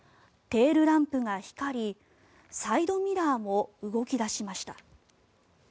テールランプが光りサイドミラーも動き出しました。